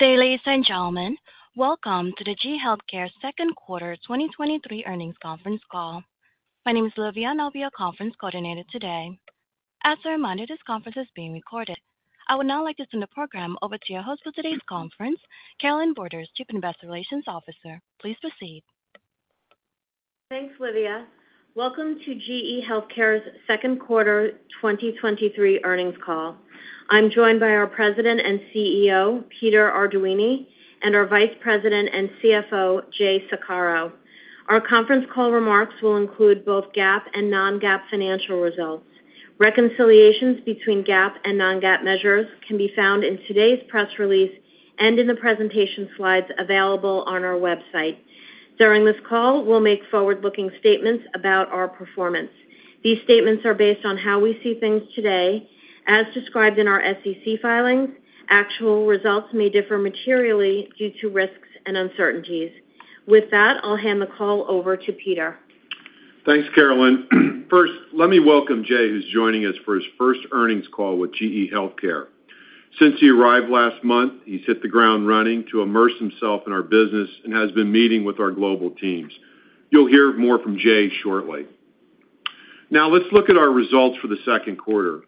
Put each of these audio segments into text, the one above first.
Good day, ladies and gentlemen. Welcome to the GE HealthCare second quarter 2023 earnings conference call. My name is Livia. I'll be your conference coordinator today. As a reminder, this conference is being recorded. I would now like to turn the program over to your host for today's conference, Carolynne Borders, Chief Investor Relations Officer. Please proceed. Thanks, Livia. Welcome to GE HealthCare's second quarter 2023 earnings call. I'm joined by our President and CEO, Peter Arduini, and our Vice President and CFO, Jay Saccaro. Our conference call remarks will include both GAAP and non-GAAP financial results. Reconciliations between GAAP and non-GAAP measures can be found in today's press release and in the presentation slides available on our website. During this call, we'll make forward-looking statements about our performance. These statements are based on how we see things today. As described in our SEC filings, actual results may differ materially due to risks and uncertainties. I'll hand the call over to Peter. Thanks, Carolyn. First, let me welcome Jay, who's joining us for his first earnings call with GE HealthCare. Since he arrived last month, he's hit the ground running to immerse himself in our business and has been meeting with our global teams. You'll hear more from Jay shortly. Now, let's look at our results for the second quarter.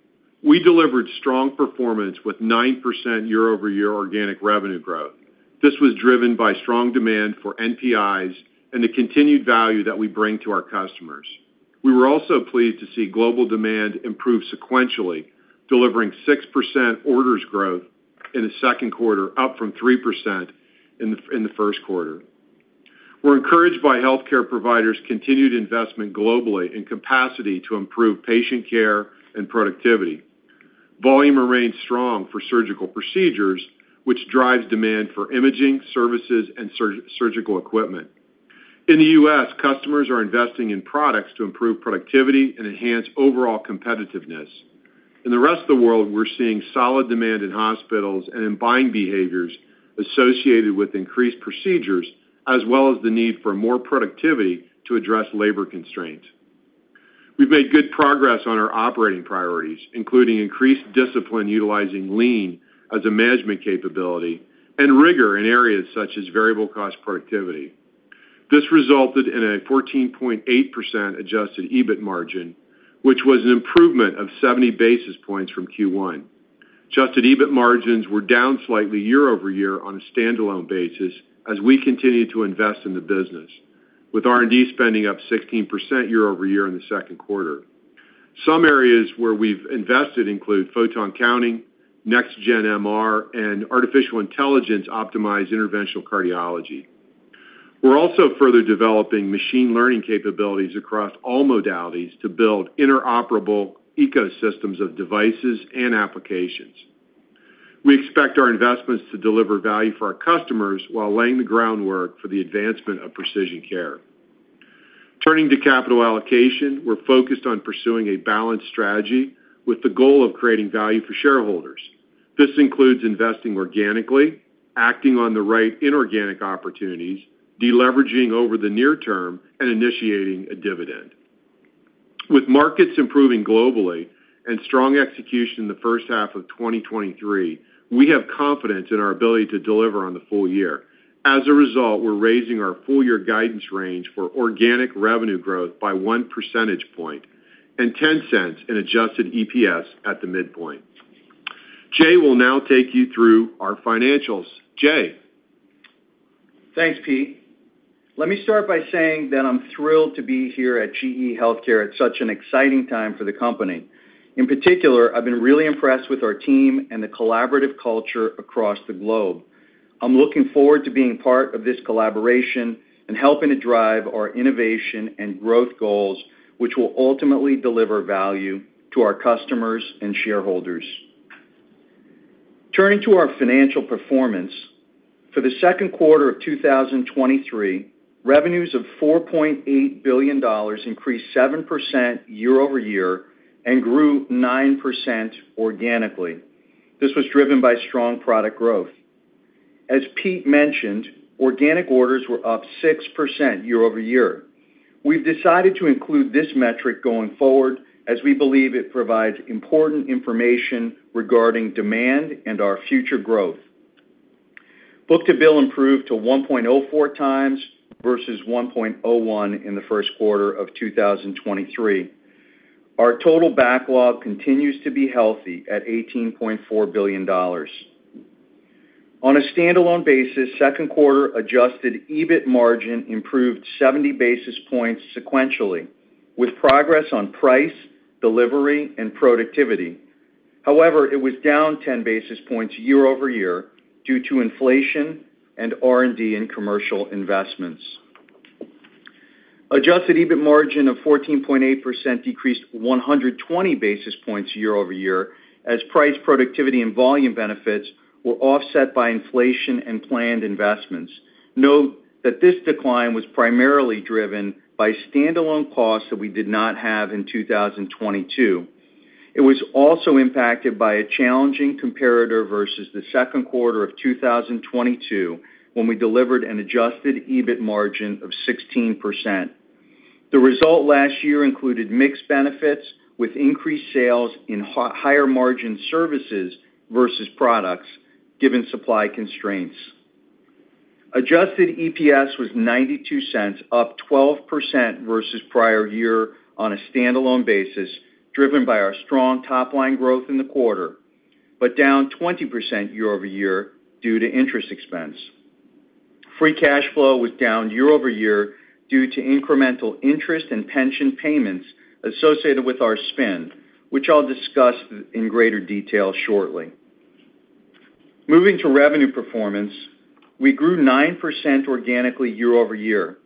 We delivered strong performance with 9% year-over-year organic revenue growth. This was driven by strong demand for NPIs and the continued value that we bring to our customers. We were also pleased to see global demand improve sequentially, delivering 6% orders growth in the second quarter, up from 3% in the first quarter. We're encouraged by healthcare providers' continued investment globally in capacity to improve patient care and productivity. Volume remains strong for surgical procedures, which drives demand for imaging, services, and surgical equipment. In the U.S., customers are investing in products to improve productivity and enhance overall competitiveness. In the rest of the world, we're seeing solid demand in hospitals and in buying behaviors associated with increased procedures, as well as the need for more productivity to address labor constraints. We've made good progress on our operating priorities, including increased discipline, utilizing Lean as a management capability and rigor in areas such as variable cost productivity. This resulted in a 14.8% adjusted EBIT margin, which was an improvement of 70 basis points from Q1. Adjusted EBIT margins were down slightly year-over-year on a standalone basis as we continued to invest in the business, with R&D spending up 16% year-over-year in the second quarter. Some areas where we've invested include photon-counting, next-gen MR, and artificial intelligence-optimized interventional cardiology. We're also further developing machine learning capabilities across all modalities to build interoperable ecosystems of devices and applications. We expect our investments to deliver value for our customers while laying the groundwork for the advancement of precision care. Turning to capital allocation, we're focused on pursuing a balanced strategy with the goal of creating value for shareholders. This includes investing organically, acting on the right inorganic opportunities, deleveraging over the near term, and initiating a dividend. With markets improving globally and strong execution in the first half of 2023, we have confidence in our ability to deliver on the full year. As a result, we're raising our full-year guidance range for organic revenue growth by 1 percentage point and $0.10 in adjusted EPS at the midpoint. Jay will now take you through our financials. Jay? Thanks, Pete. Let me start by saying that I'm thrilled to be here at GE HealthCare at such an exciting time for the company. In particular, I've been really impressed with our team and the collaborative culture across the globe. I'm looking forward to being part of this collaboration and helping to drive our innovation and growth goals, which will ultimately deliver value to our customers and shareholders. Turning to our financial performance, for the second quarter of 2023, revenues of $4.8 billion increased 7% year-over-year and grew 9% organically. This was driven by strong product growth. As Pete mentioned, organic orders were up 6% year-over-year. We've decided to include this metric going forward, as we believe it provides important information regarding demand and our future growth. Book-to-bill improved to 1.04x versus 1.01X in 1Q 2023. Our total backlog continues to be healthy at $18.4 billion. On a standalone basis, 2Q adjusted EBIT margin improved 70 basis points sequentially, with progress on price, delivery, and productivity. It was down 10 basis points year-over-year due to inflation, and R&D, and commercial investments. Adjusted EBIT margin of 14.8% decreased 120 basis points year-over-year, as price, productivity, and volume benefits were offset by inflation and planned investments. Note that this decline was primarily driven by standalone costs that we did not have in 2022. It was also impacted by a challenging comparator versus the 2Q 2022, when we delivered an adjusted EBIT margin of 16%. The result last year included mixed benefits, with increased sales in higher margin services versus products, given supply constraints. Adjusted EPS was $0.92, up 12% versus prior year on a standalone basis, driven by our strong top-line growth in the quarter, but down 20% year-over-year due to interest expense. Free cash flow was down year-over-year due to incremental interest and pension payments associated with our spending, which I'll discuss in greater detail shortly. Moving to revenue performance, we grew 9% organically year-over-year.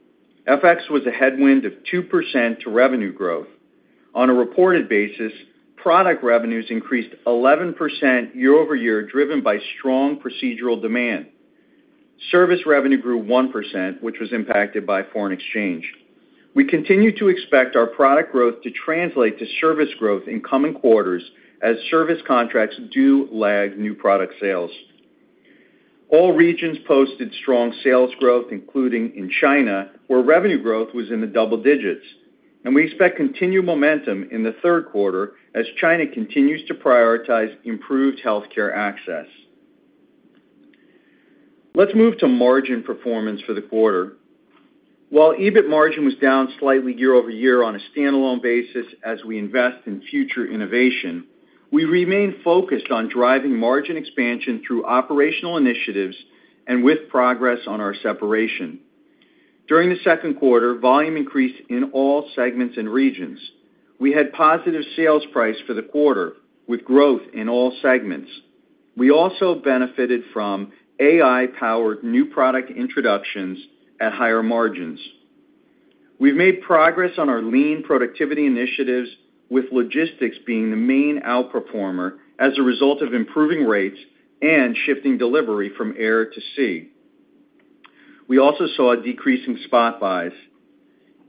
FX was a headwind of 2% to revenue growth. On a reported basis, product revenues increased 11% year-over-year, driven by strong procedural demand. Service revenue grew 1%, which was impacted by foreign exchange. We continue to expect our product growth to translate to service growth in the coming quarters as service contracts do lag new product sales. All regions posted strong sales growth, including in China, where revenue growth was in the double digits. We expect continued momentum in the third quarter as China continues to prioritize improved healthcare access. Let's move to margin performance for the quarter. While EBIT margin was down slightly year-over-year on a standalone basis as we invest in future innovation, we remain focused on driving margin expansion through operational initiatives and with progress on our separation. During the second quarter, volume increased in all segments and regions. We had positive sales prices for the quarter, with growth in all segments. We also benefited from AI-powered new product introductions at higher margins. We've made progress on our Lean productivity initiatives, with logistics being the main outperformer as a result of improving rates and shifting delivery from air to sea. We also saw a decrease in spot buys.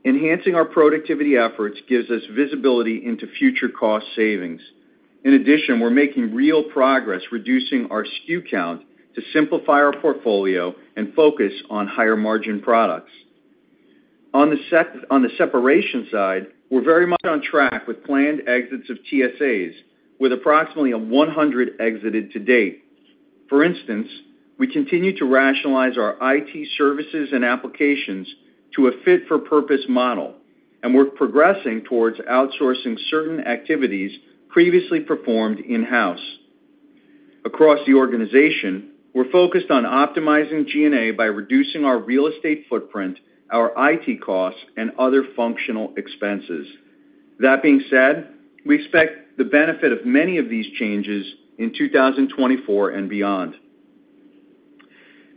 Enhancing our productivity efforts gives us visibility into future cost savings. We're making real progress reducing our SKU count to simplify our portfolio and focus on higher-margin products. On the separation side, we're very much on track with planned exits of TSAs, with approximately 100 exited to date. We continue to rationalize our IT services and applications to a fit-for-purpose model, and we're progressing towards outsourcing certain activities previously performed in-house. Across the organization, we're focused on optimizing G&A by reducing our real estate footprint, our IT costs, and other functional expenses. That being said, we expect the benefit of many of these changes in 2024 and beyond.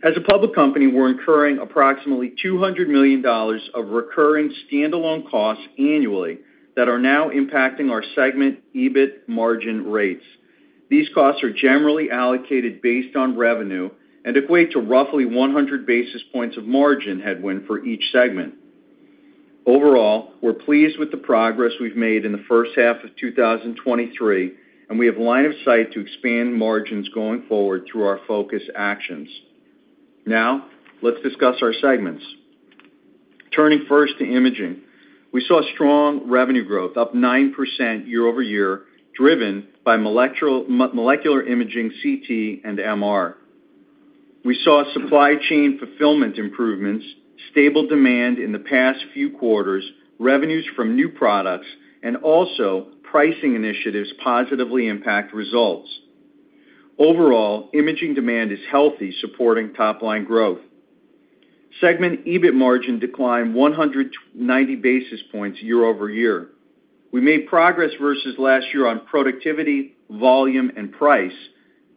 As a public company, we're incurring approximately $200 million of recurring standalone costs annually that are now impacting our segment EBIT margin rates. These costs are generally allocated based on revenue and equate to roughly 100 basis points of margin headwind for each segment. Overall, we're pleased with the progress we've made in the first half of 2023, and we have line of sight to expand margins going forward through our focus actions. Now, let's discuss our segments. Turning first to imaging. We saw strong revenue growth, up 9% year-over-year, driven by molecular imaging, CT, and MR. We saw supply chain fulfillment improvements, stable demand in the past few quarters, revenues from new products, and also pricing initiatives positively impact results. Overall, imaging demand is healthy, supporting top-line growth. Segment EBIT margin declined 190 basis points year-over-year. We made progress versus last year on productivity, volume, and price,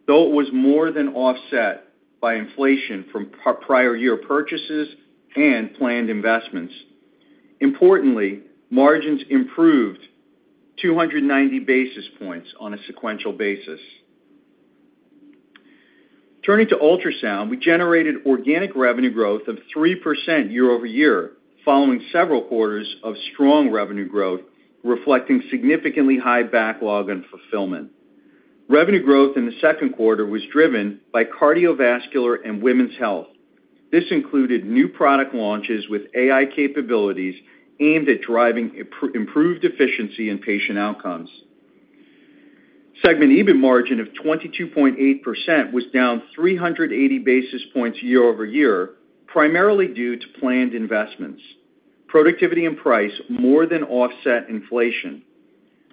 though it was more than offset by inflation from prior year purchases and planned investments. Importantly, margins improved 290 basis points on a sequential basis. Turning to ultrasound, we generated organic revenue growth of 3% year-over-year, following several quarters of strong revenue growth, reflecting significantly high backlog and fulfillment. Revenue growth in the second quarter was driven by cardiovascular and women's health. This included new product launches with AI capabilities aimed at driving improved efficiency and patient outcomes. Segment EBIT margin of 22.8% was down 380 basis points year-over-year, primarily due to planned investments. Productivity and price more than offset inflation.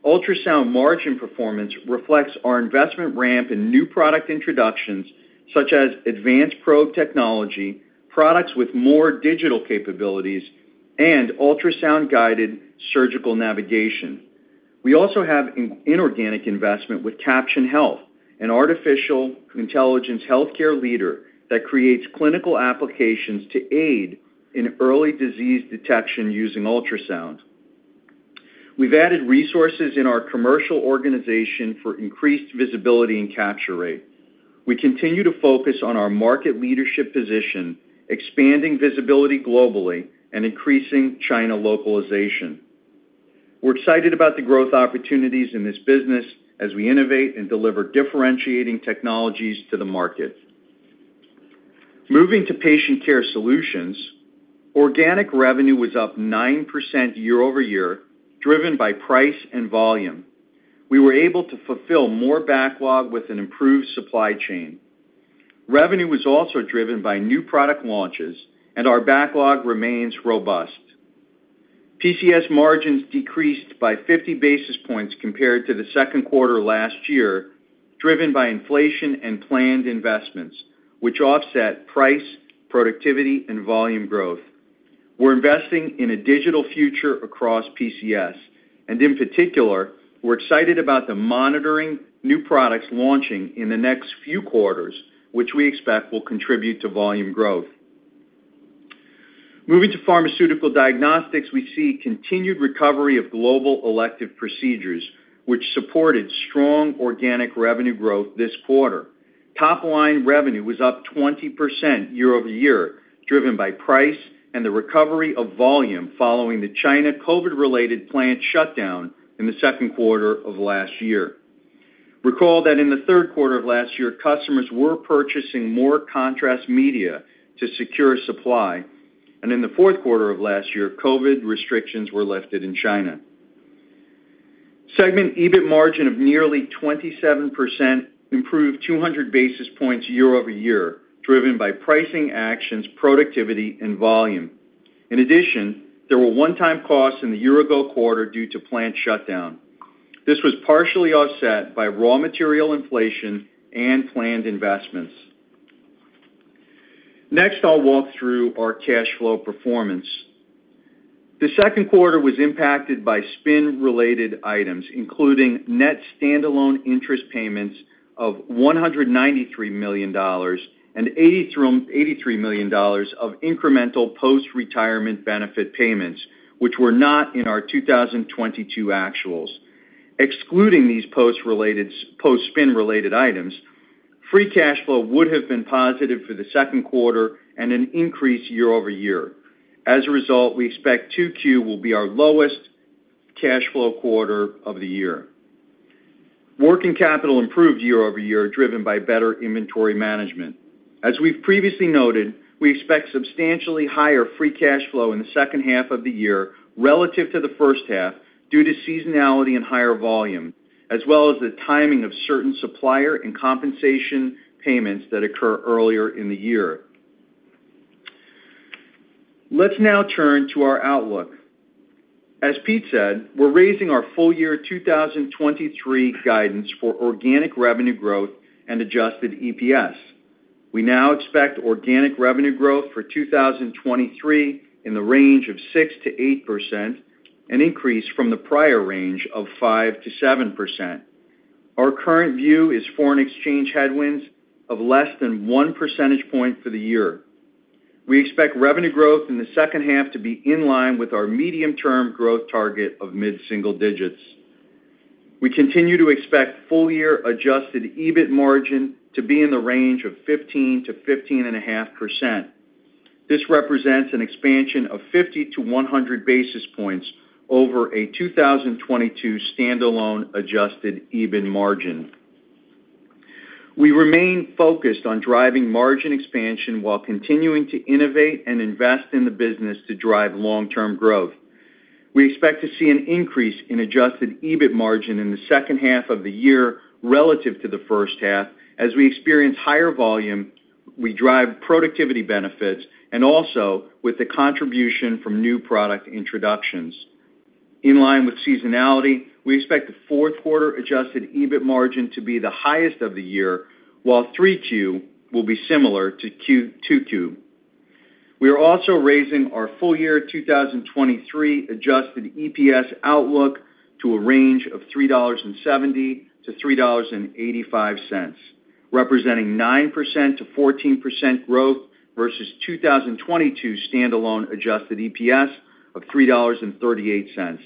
Ultrasound margin performance reflects our investment ramp in new product introductions, such as advanced probe technology, products with more digital capabilities, and ultrasound-guided surgical navigation. We also have inorganic investment with Caption Health, an artificial intelligence healthcare leader that creates clinical applications to aid in early disease detection using ultrasound. We've added resources in our commercial organization for increased visibility and capture rate. We continue to focus on our market leadership position, expanding visibility globally, and increasing China localization. We're excited about the growth opportunities in this business as we innovate and deliver differentiating technologies to the market. Moving to patient care solutions, organic revenue was up 9% year-over-year, driven by price and volume. We were able to fulfill more backlog with an improved supply chain. Revenue was also driven by new product launches, and our backlog remains robust. PCS margins decreased by 50 basis points compared to the second quarter last year, driven by inflation and planned investments, which offset price, productivity, and volume growth. We're investing in a digital future across PCS, and in particular, we're excited about monitoring new products launching in the next few quarters, which we expect will contribute to volume growth. Moving to pharmaceutical diagnostics, we see continued recovery of global elective procedures, which supported strong organic revenue growth this quarter. Top-line revenue was up 20% year-over-year, driven by price and the recovery of volume following the China COVID-related plant shutdown in the second quarter of last year. Recall that in the third quarter of last year, customers were purchasing more contrast media to secure supply, and in the fourth quarter of last year, COVID restrictions were lifted in China. Segment EBIT margin of nearly 27% improved 200 basis points year-over-year, driven by pricing actions, productivity, and volume. In addition, there were one-time costs in the year-ago quarter due to plant shutdown. This was partially offset by raw material inflation and planned investments. Next, I'll walk through our cash flow performance. The second quarter was impacted by spin-related items, including net stand-alone interest payments of $193 million and $83 million of incremental post-retirement benefit payments, which were not in our 2022 actuals. Excluding these post-spin-related items, free cash flow would have been positive for the second quarter and an increase year-over-year. As a result, we expect 2Q will be our lowest cash flow quarter of the year. Working capital improved year-over-year, driven by better inventory management. As we've previously noted, we expect substantially higher free cash flow in the second half of the year relative to the first half due to seasonality and higher volume, as well as the timing of certain supplier and compensation payments that occur earlier in the year. Let's now turn to our outlook. As Pete said, we're raising our full-year 2023 guidance for organic revenue growth and adjusted EPS. We now expect organic revenue growth for 2023 in the range of 6%-8%, an increase from the prior range of 5%-7%. Our current view is foreign exchange headwinds of less than 1 percentage point for the year. We expect revenue growth in the second half to be in line with our medium-term growth target of mid-single digits. We continue to expect full-year adjusted EBIT margin to be in the range of 15%-15.5%. This represents an expansion of 50-100 basis points over a 2022 stand-alone adjusted EBIT margin. We remain focused on driving margin expansion while continuing to innovate and invest in the business to drive long-term growth. We expect to see an increase in adjusted EBIT margin in the second half of the year relative to the first half. As we experience higher volume, we drive productivity benefits, and also with the contribution from new product introductions. In line with seasonality, we expect the fourth quarter adjusted EBIT margin to be the highest of the year, while 3Q will be similar to 2Q. We are also raising our full-year 2023 adjusted EPS outlook to a range of $3.70-$3.85, representing 9%-14% growth versus 2022 stand-alone adjusted EPS of $3.38.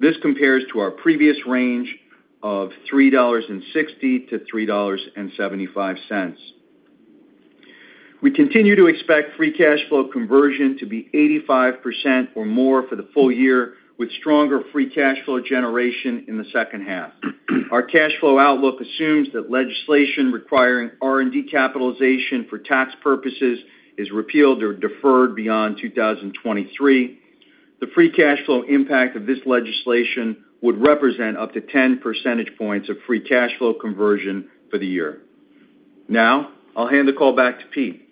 This compares to our previous range of $3.60-$3.75. We continue to expect free cash flow conversion to be 85% or more for the full year, with stronger free cash flow generation in the second half. Our cash flow outlook assumes that legislation requiring R&D capitalization for tax purposes is repealed or deferred beyond 2023. The free cash flow impact of this legislation would represent up to 10 percentage points of free cash flow conversion for the year. I'll hand the call back to Pete.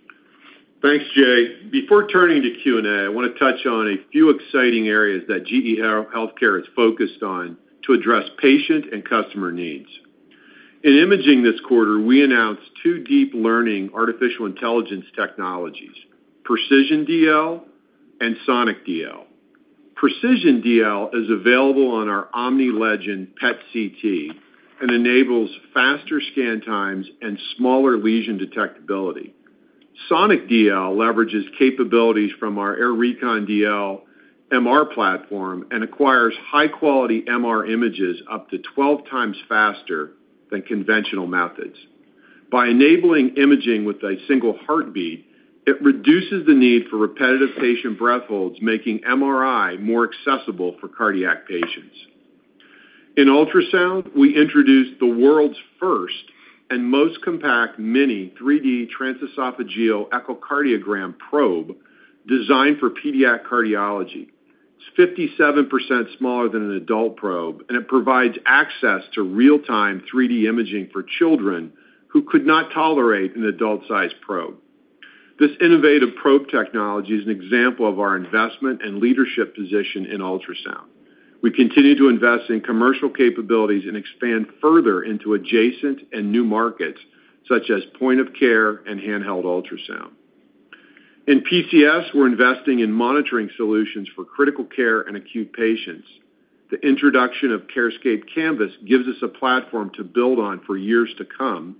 Thanks, Jay. Before turning to Q&A, I want to touch on a few exciting areas that GE HealthCare is focused on to address patient and customer needs. In imaging this quarter, we announced two deep learning artificial intelligence technologies, Precision DL and Sonic DL. Precision DL is available on our Omni Legend PET/CT and enables faster scan times and smaller lesion detectability. Sonic DL leverages capabilities from our AIR Recon DL MR platform and acquires high-quality MR images up to 12x faster than conventional methods. By enabling imaging with a single heartbeat, it reduces the need for repetitive patient breath holds, making MRI more accessible for cardiac patients. In ultrasound, we introduced the world's first and most compact mini 3D transesophageal echocardiogram probe designed for pediatric cardiology. It's 57% smaller than an adult probe, and it provides access to real-time 3D imaging for children who could not tolerate an adult-sized probe. This innovative probe technology is an example of our investment and leadership position in ultrasound. We continue to invest in commercial capabilities and expand further into adjacent and new markets, such as point of care and handheld ultrasound. In PCS, we're investing in monitoring solutions for critical care and acute patients. The introduction of CARESCAPE Canvas gives us a platform to build on for years to come,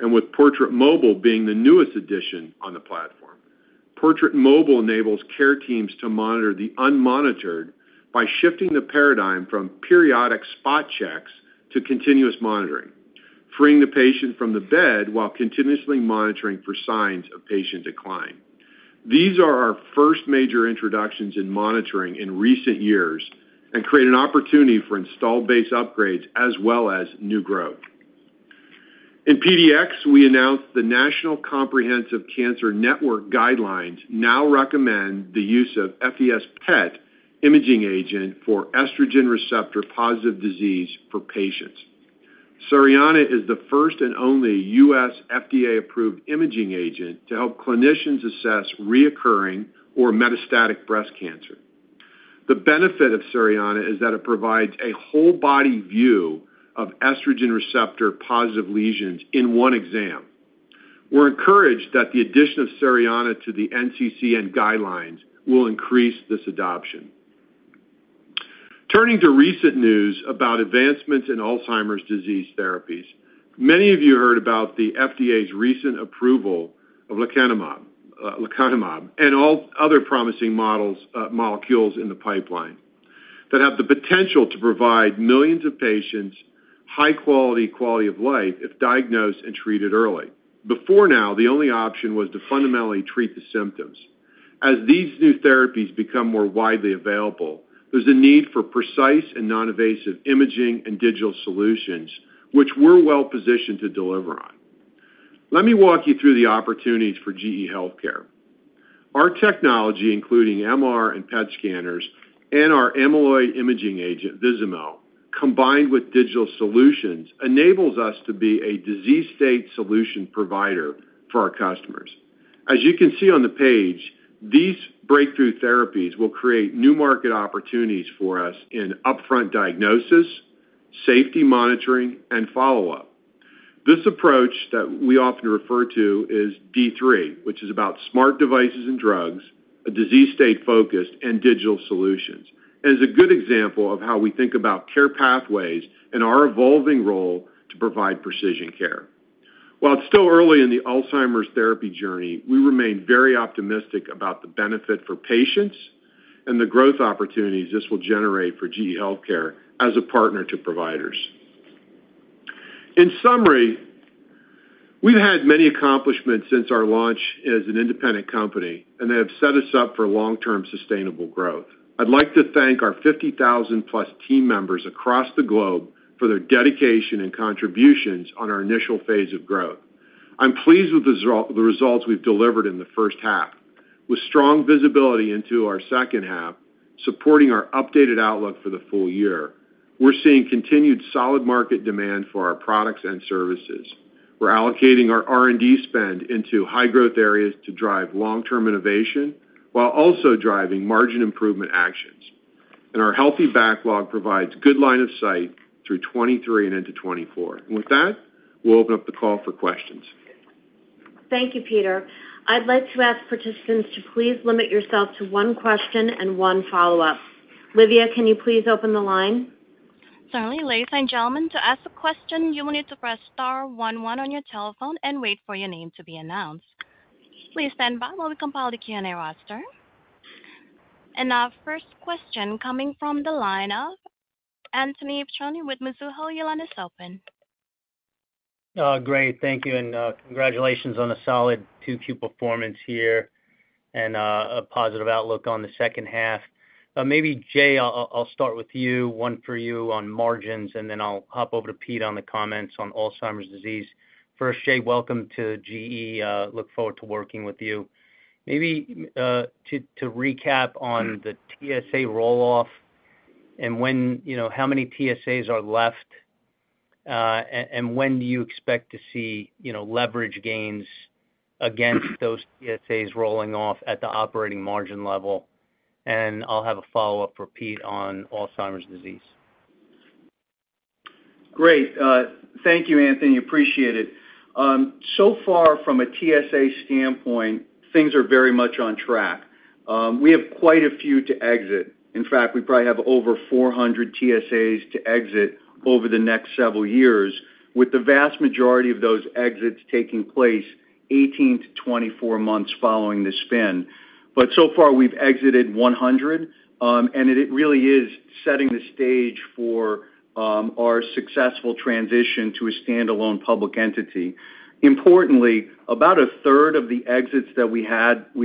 and with Portrait Mobile being the newest addition on the platform. Portrait Mobile enables care teams to monitor the unmonitored by shifting the paradigm from periodic spot checks to continuous monitoring, freeing the patient from the bed while continuously monitoring for signs of patient decline. These are our first major introductions in monitoring in recent years and create an opportunity for installed base upgrades as well as new growth. In PDx, we announced the National Comprehensive Cancer Network guidelines now recommend the use of FES PET imaging agent for estrogen receptor-positive disease for patients. Cerianna is the first and only U.S. FDA-approved imaging agent to help clinicians assess recurring or metastatic breast cancer. The benefit of Cerianna is that it provides a whole body view of estrogen receptor-positive lesions in one exam. We're encouraged that the addition of Cerianna to the NCCN guidelines will increase this adoption. Turning to recent news about advancements in Alzheimer’s disease therapies. Many of you heard about the FDA's recent approval of lecanemab and all other promising molecules, molecules in the pipeline, that have the potential to provide millions of patients high quality of life, if diagnosed and treated early. Before now, the only option was to fundamentally treat the symptoms. As these new therapies become more widely available, there's a need for precise and non-invasive imaging and digital solutions, which we're well-positioned to deliver on. Let me walk you through the opportunities for GE HealthCare. Our technology, including MR and PET scanners and our amyloid imaging agent, Vizamyl, combined with digital solutions, enables us to be a disease state solution provider for our customers. As you can see on the page, these breakthrough therapies will create new market opportunities for us in upfront diagnosis, safety monitoring, and follow-up. This approach that we often refer to is D3, which is about smart devices and drugs, a disease state-focused and digital solutions, is a good example of how we think about care pathways and our evolving role to provide precision care. While it's still early in the Alzheimer’s therapy journey, we remain very optimistic about the benefit for patients and the growth opportunities this will generate for GE HealthCare as a partner to providers. In summary, we've had many accomplishments since our launch as an independent company, they have set us up for long-term sustainable growth. I'd like to thank our 50,000+ team members across the globe for their dedication and contributions on our initial phase of growth. I'm pleased with the results we've delivered in the first half. With strong visibility into our second half, supporting our updated outlook for the full year, we're seeing continued solid market demand for our products and services. We're allocating our R&D spend into high-growth areas to drive long-term innovation, while also driving margin improvement actions. Our healthy backlog provides good line of sight through 2023 and into 2024. With that, we'll open up the call for questions. Thank you, Peter. I'd like to ask participants to please limit yourself to one question and one follow-up. Livia, can you please open the line? Certainly. Ladies and gentlemen, to ask a question, you will need to press star one one on your telephone and wait for your name to be announced. Please stand by while we compile the Q&A roster. Our first question coming from the line of Anthony Petrone with Mizuho. Your line is open. Great, thank you, and congratulations on a solid 2Q performance here and a positive outlook on the second half. Maybe, Jay, I'll start with you, one for you on margins, and then I'll hop over to Pete on the comments on Alzheimer’s disease. First, Jay, welcome to GE HealthCare. Look forward to working with you. To recap on the TSA roll-off and when, you know, how many TSAs are left, and when do you expect to see, you know, leverage gains against those TSAs rolling off at the operating margin level? I'll have a follow-up for Pete on Alzheimer’s disease. Great. Thank you, Anthony. Appreciate it. So far, from a TSA standpoint, things are very much on track. We have quite a few to exit. In fact, we probably have over 400 TSAs to exit over the next several years, with the vast majority of those exits taking place 18-24 months following the spin. So far, we've exited 100, and it really is setting the stage for our successful transition to a standalone public entity. Importantly, about a third of the exits that we've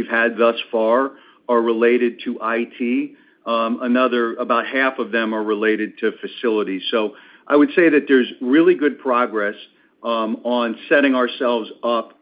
had thus far are related to IT. Another, about half of them are related to facilities. I would say that there's really good progress. On setting ourselves up.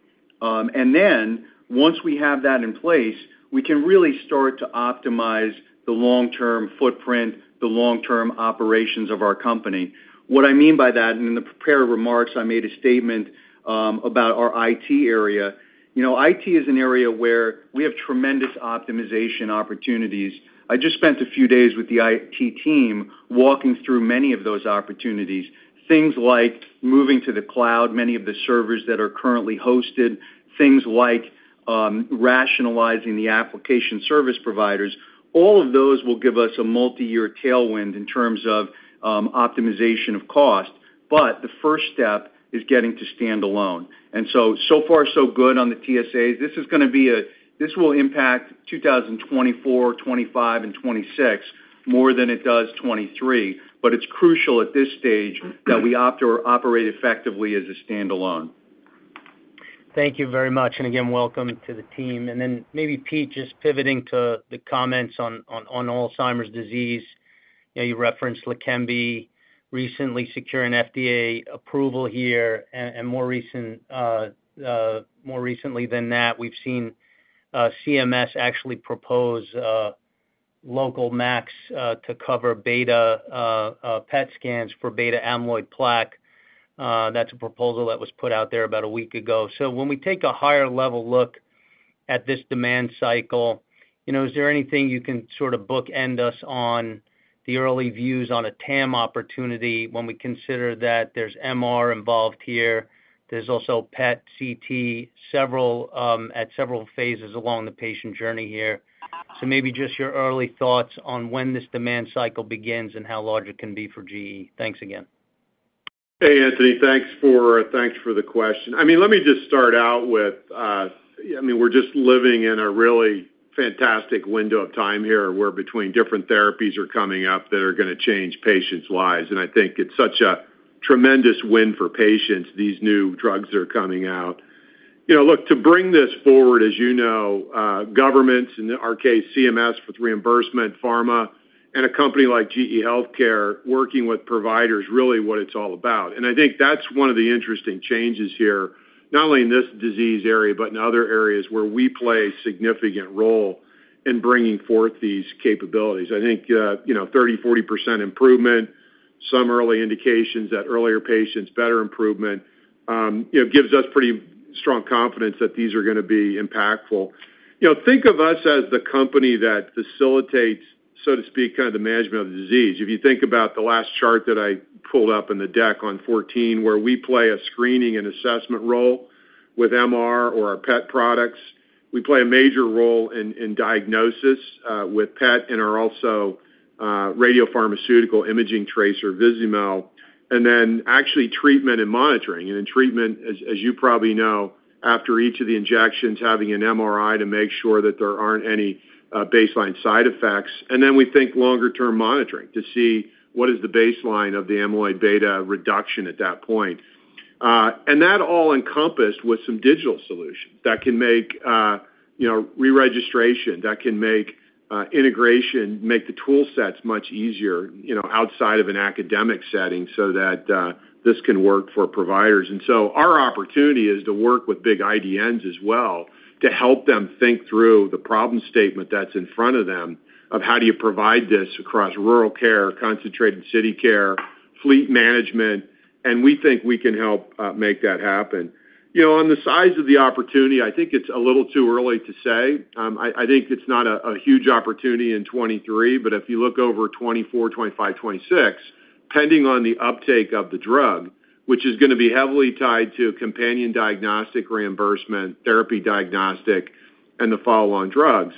Once we have that in place, we can really start to optimize the long-term footprint, the long-term operations of our company. What I mean by that, and in the prepared remarks, I made a statement about our IT area. You know, IT is an area where we have tremendous optimization opportunities. I just spent a few days with the IT team, walking through many of those opportunities, things like moving to the cloud, many of the servers that are currently hosted, things like rationalizing the application service providers. All of those will give us a multi-year tailwind in terms of optimization of cost. The first step is getting to stand alone. So far, so good on the TSA. This is going to be this will impact 2024, 2025, and 2026, more than it does 2023. It's crucial at this stage that we opt or operate effectively as a standalone. Thank you very much, and again, welcome to the team. Maybe, Pete, just pivoting to the comments on Alzheimer’s disease. You know, you referenced Leqembi recently securing FDA approval here, and more recently than that, we've seen CMS actually propose a local LCD to cover beta PET scans for beta amyloid plaque. That's a proposal that was put out there about a week ago. When we take a higher-level look at this demand cycle, you know, is there anything you can sort of bookend us on the early views on a TAM opportunity when we consider that there's MR involved here? There's also PET, CT, several at several phases along the patient journey here. Maybe just your early thoughts on when this demand cycle begins and how large it can be for GE. Thanks again. Hey, Anthony, thanks for the question. I mean, let me just start out with, I mean, we're just living in a really fantastic window of time here, where between different therapies are coming up that are going to change patients' lives. I think it's such a tremendous win for patients, these new drugs that are coming out. You know, look, to bring this forward, as you know, governments, in our case, CMS, with reimbursement, pharma, and a company like GE HealthCare, working with providers, really what it's all about. I think that's one of the interesting changes here, not only in this disease area, but in other areas where we play a significant role in bringing forth these capabilities. I think, you know, 30%, 40% improvement, some early indications that earlier patients, better improvement, you know, gives us pretty strong confidence that these are going to be impactful. You know, think of us as the company that facilitates, so to speak, kind of the management of the disease. If you think about the last chart that I pulled up in the deck on 14, where we play a screening and assessment role with MR or our PET products, we play a major role in diagnosis with PET and are also radiopharmaceutical imaging tracer, Vizamyl, and then actually treatment and monitoring. In treatment, as you probably know, after each of the injections, having an MRI to make sure that there aren't any baseline side effects. Then we think longer-term monitoring to see what is the baseline of the amyloid beta reduction at that point. That all encompassed with some digital solutions that can make, you know, re-registration, that can make integration, make the tool sets much easier, you know, outside of an academic setting so that this can work for providers. So our opportunity is to work with big IDNs as well, to help them think through the problem statement that's in front of them, of how do you provide this across rural care, concentrated city care, fleet management, and we think we can help make that happen. You know, on the size of the opportunity, I think it's a little too early to say. I think it's not a huge opportunity in 2023, but if you look over 2024, 2025, 2026, pending on the uptake of the drug, which is going to be heavily tied to companion diagnostic reimbursement, therapy diagnostic, and the follow-on drugs,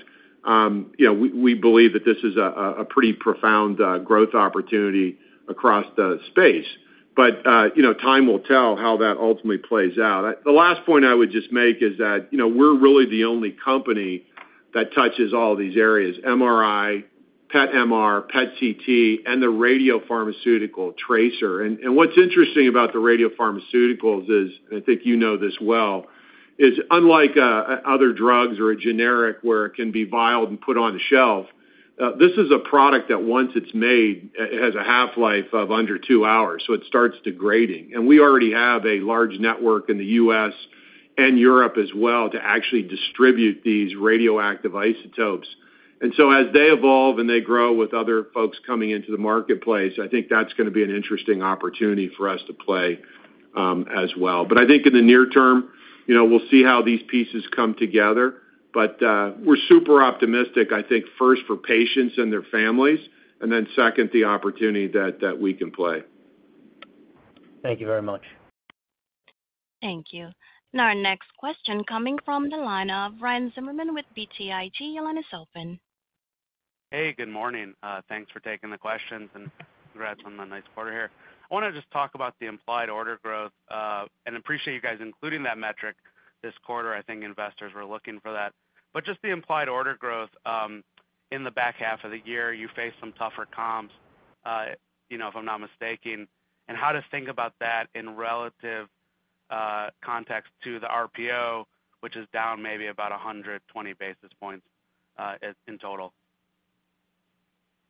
you know, we believe that this is a pretty profound growth opportunity across the space. Time will tell how that ultimately plays out. The last point I would just make is that, you know, we're really the only company that touches all these areas, MRI, PET/MR, PET/CT, and the radiopharmaceutical tracer. What's interesting about the radiopharmaceuticals is, I think you know this well, is unlike other drugs or a generic, where it can be vialed and put on the shelf, this is a product that once it's made, it has a half-life of under two hours, so it starts degrading. We already have a large network in the U.S. and Europe as well, to actually distribute these radioactive isotopes. As they evolve and they grow with other folks coming into the marketplace, I think that's going to be an interesting opportunity for us to play as well. I think in the near term, you know, we'll see how these pieces come together. We're super optimistic, I think, first for patients and their families, and then second, the opportunity that we can play. Thank you very much. Thank you. Our next question coming from the line of Ryan Zimmerman with BTIG. Your line is open. Hey, good morning. Thanks for taking the questions, and congrats on the nice quarter here. I want to just talk about the implied order growth, and appreciate you guys including that metric this quarter. I think investors were looking for that. Just the implied order growth in the back half of the year, you face some tougher comps, you know, if I'm not mistaken, and how to think about that in relative context to the RPO, which is down maybe about 120 basis points in total?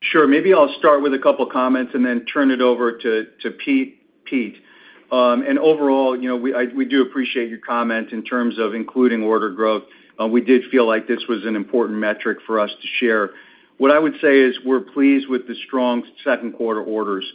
Sure, maybe I'll start with a couple comments and then turn it over to Pete. Overall, you know, we do appreciate your comment in terms of including order growth. We did feel like this was an important metric for us to share. What I would say is we're pleased with the strong second quarter orders,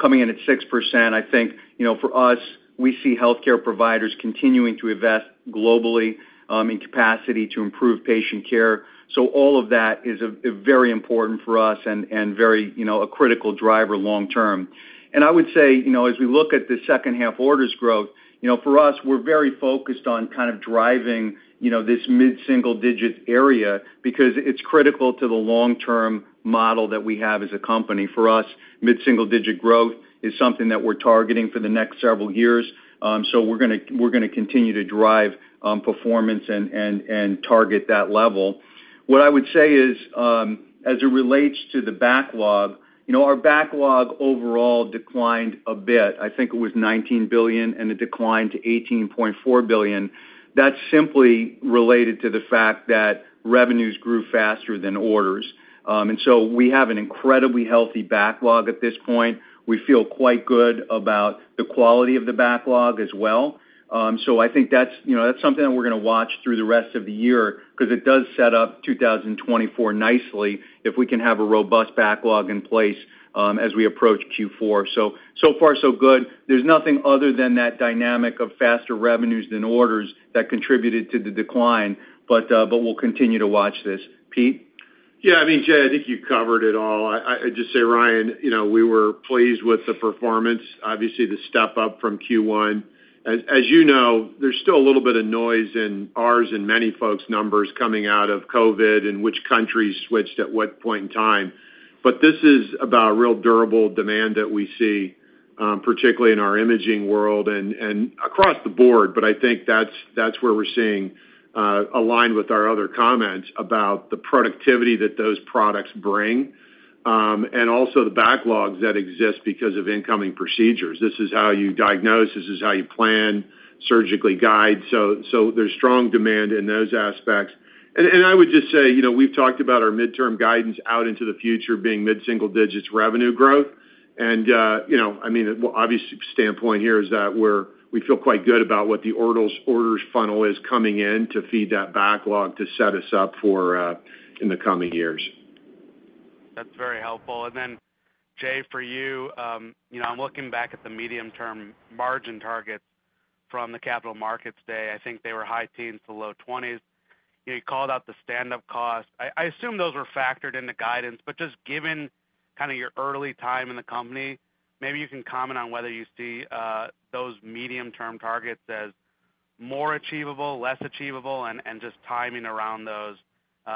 coming in at 6%. I think, you know, for us, we see healthcare providers continuing to invest globally, in capacity to improve patient care. All of that is very important for us and very, you know, a critical driver long term. I would say, you know, as we look at the second half orders growth, you know, for us, we're very focused on kind of driving, you know, this mid-single digit area because it's critical to the long-term model that we have as a company. For us, mid-single digit growth is something that we're targeting for the next several years. So we're going to continue to drive performance and target that level. What I would say is, as it relates to the backlog, you know, our backlog overall declined a bit. I think it was $19 billion, and it declined to $18.4 billion. That's simply related to the fact that revenues grew faster than orders. So we have an incredibly healthy backlog at this point. We feel quite good about the quality of the backlog as well. I think that's, you know, that's something that we're going to watch through the rest of the year, because it does set up 2024 nicely if we can have a robust backlog in place, as we approach Q4. So far so good. There's nothing other than that dynamic of faster revenues than orders that contributed to the decline, but we'll continue to watch this. Pete? I mean, Jay, I think you covered it all. I'd just say, Ryan, you know, we were pleased with the performance, obviously, the step up from Q1. As you know, there's still a little bit of noise in ours and many folks' numbers coming out of COVID, and which countries switched at what point in time. This is about real durable demand that we see, particularly in our imaging world and across the board. I think that's where we're seeing, aligned with our other comments about the productivity that those products bring, and also the backlogs that exist because of incoming procedures. This is how you diagnose, this is how you plan, surgically guide. There's strong demand in those aspects. I would just say, you know, we've talked about our midterm guidance out into the future being mid-single digits revenue growth. You know, I mean, obvious standpoint here is that we feel quite good about what the orders funnel is coming in to feed that backlog to set us up for in the coming years. That's very helpful. Jay, for you know, I'm looking back at the medium-term margin targets from the Investor Day. I think they were high teens to low 20s. You called out the stand-up costs. I assume those were factored in the guidance, but just given kind of your early time in the company, maybe you can comment on whether you see those medium-term targets as more achievable, less achievable, and just timing around those,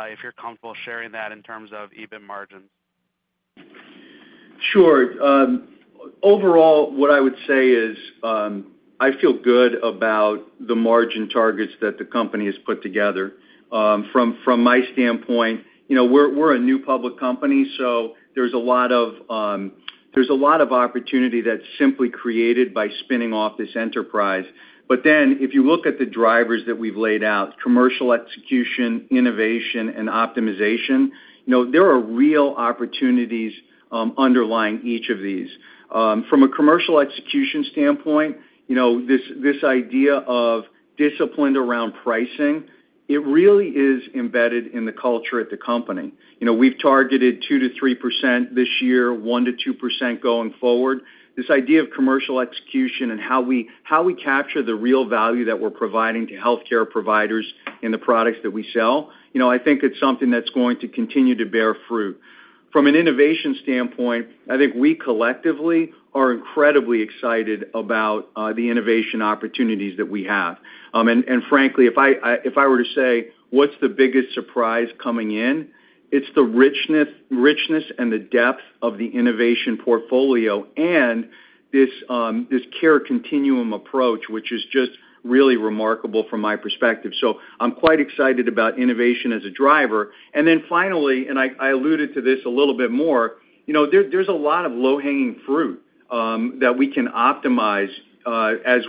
if you're comfortable sharing that in terms of EBIT margins. Sure. Overall, what I would say is, I feel good about the margin targets that the company has put together. From my standpoint, you know, we're a new public company, so there's a lot of opportunity that's simply created by spinning off this enterprise. If you look at the drivers that we've laid out, commercial execution, innovation, and optimization, you know, there are real opportunities underlying each of these. From a commercial execution standpoint, you know, this idea of discipline around pricing, it really is embedded in the culture at the company. You know, we've targeted 2%-3% this year, 1%-2% going forward. This idea of commercial execution and how we capture the real value that we're providing to healthcare providers in the products that we sell, you know, I think it's something that's going to continue to bear fruit. From an innovation standpoint, I think we collectively are incredibly excited about the innovation opportunities that we have. Frankly, if I were to say, what's the biggest surprise coming in? It's the richness and the depth of the innovation portfolio and this care continuum approach, which is just really remarkable from my perspective. I'm quite excited about innovation as a driver. Finally, and I alluded to this a little bit more, you know, there's a lot of low-hanging fruit that we can optimize as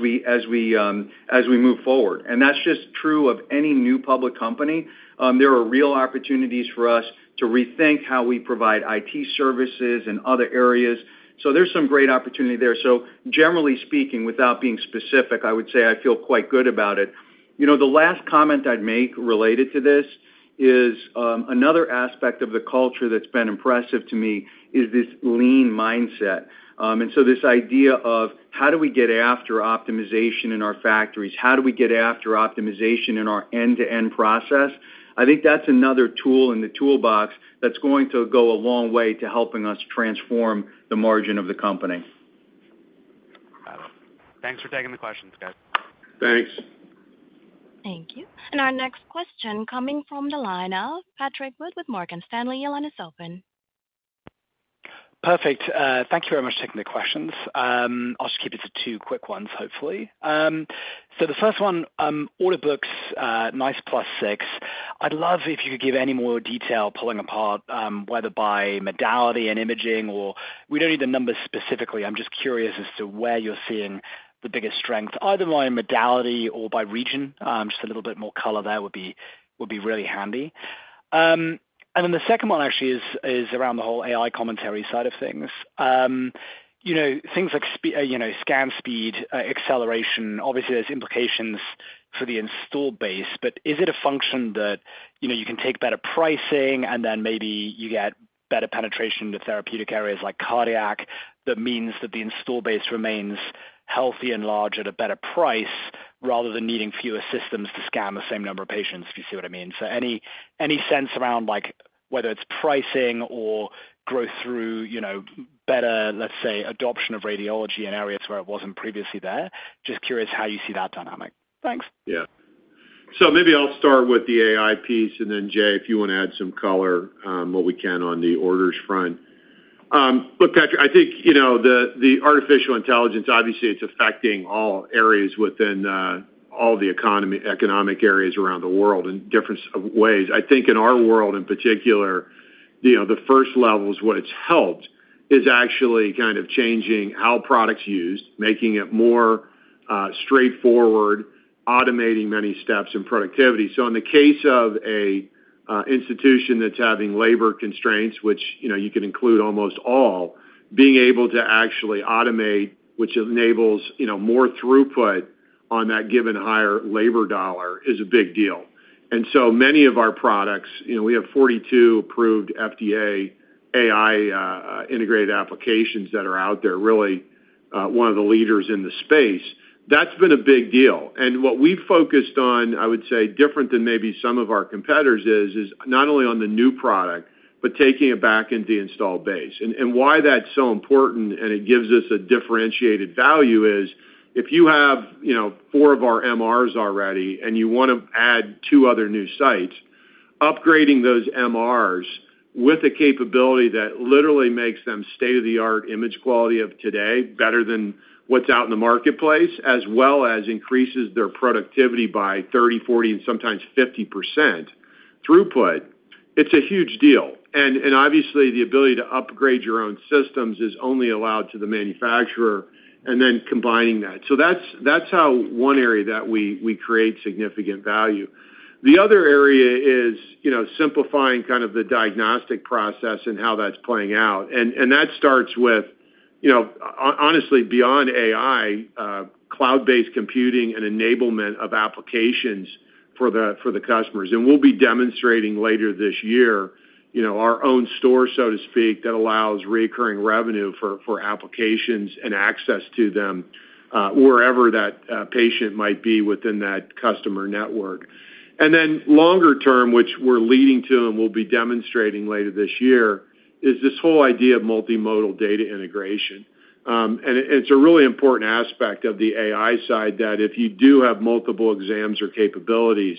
we move forward, and that's just true of any new public company. There are real opportunities for us to rethink how we provide IT services and other areas. There's some great opportunity there. Generally speaking, without being specific, I would say I feel quite good about it. You know, the last comment I'd make related to this is another aspect of the culture that's been impressive to me is this Lean mindset. This idea of how do we get after optimization in our factories? How do we get after optimization in our end-to-end process? I think that's another tool in the toolbox that's going to go a long way to helping us transform the margin of the company. Thanks for taking the questions, guys. Thanks. Thank you. Our next question coming from the line of Patrick Wood with Morgan Stanley. Your line is open. Perfect. Thank you very much for taking the questions. I'll just keep it to two quick ones, hopefully. So the first one, order books, nice +6%. I'd love if you could give any more detail pulling apart, whether by modality and imaging, or we don't need the numbers specifically. I'm just curious as to where you're seeing the biggest strength, either by modality or by region. Just a little bit more color there would be really handy. The second one actually is around the whole AI commentary side of things. You know, things like you know, scan speed, acceleration, obviously, there's implications for the install base, but is it a function that, you know, you can take better pricing, and then maybe you get better penetration into therapeutic areas like cardiac, that means that the install base remains healthy and large at a better price, rather than needing fewer systems to scan the same number of patients, if you see what I mean? Any, any sense around, like, whether it's pricing or growth through, you know, better, let's say, adoption of radiology in areas where it wasn't previously there? Just curious how you see that dynamic. Thanks. Maybe I'll start with the AI piece, and then, Jay, if you want to add some color, what we can on the orders front. Look, Patrick, I think, you know, the artificial intelligence, obviously, it's affecting all areas within all the economic areas around the world in different ways. I think in our world, in particular, you know, the first level is what it's helped, is actually kind of changing how products used, making it more straightforward, automating many steps in productivity. In the case of an institution that's having labor constraints, which, you know, you can include almost all, being able to actually automate, which enables, you know, more throughput on that given higher labor dollar is a big deal. Many of our products, you know, we have 42 approved FDA AI integrated applications that are out there, really, one of the leaders in the space. That's been a big deal. What we focused on, I would say, different than maybe some of our competitors is not only on the new product, but taking it back in the installed base. Why that's so important, and it gives us a differentiated value, is if you have, you know, four of our MRs already, and you want to add two other new sites, upgrading those MRs with a capability that literally makes them state-of-the-art image quality of today, better than what's out in the marketplace, as well as increases their productivity by 30%, 40%, and sometimes 50% throughput, it's a huge deal. Obviously, the ability to upgrade your own systems is only allowed to the manufacturer, and then combining that. That's how one area that we create significant value. The other area is, you know, simplifying kind of the diagnostic process and how that's playing out. That starts with, you know, honestly, beyond AI, cloud-based computing, and enablement of applications for the customers. We'll be demonstrating later this year, you know, our own store, so to speak, that allows recurring revenue for applications and access to them, wherever that patient might be within that customer network. Then longer term, which we're leading to and we'll be demonstrating later this year, is this whole idea of multimodal data integration. It, it's a really important aspect of the AI side, that if you do have multiple exams or capabilities,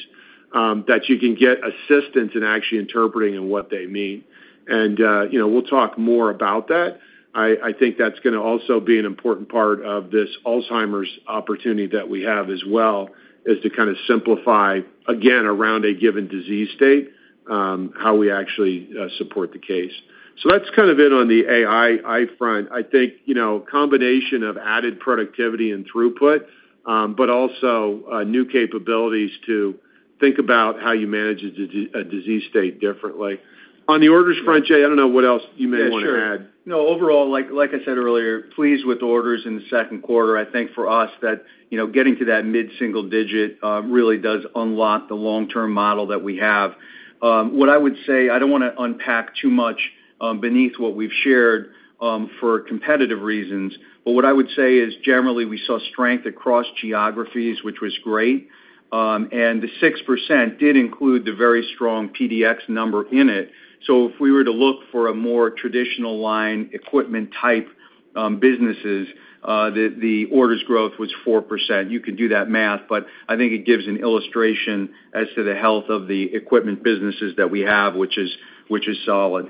that you can get assistance in actually interpreting and what they mean. You know, we'll talk more about that. I think that's going to also be an important part of this Alzheimer’s opportunity that we have as well, is to kind of simplify, again, around a given disease state, how we actually support the case. That's kind of it on the AI front. I think, you know, combination of added productivity and throughput, but also new capabilities to think about how you manage a disease state differently. On the orders front, Jay, I don't know what else you may want to add. Yeah, sure. Overall, like I said earlier, pleased with orders in the second quarter. I think for us, that, you know, getting to that mid-single digit, really does unlock the long-term model that we have. What I would say, I don't want to unpack too much, beneath what we've shared, for competitive reasons, but what I would say is generally, we saw strength across geographies, which was great. The 6% did include the very strong PDx number in it. If we were to look for a more traditional line, equipment type, businesses, the orders growth was 4%. You can do that math, but I think it gives an illustration as to the health of the equipment businesses that we have, which is, which is solid.